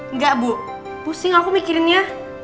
enggak bu pusing aku mikirinnya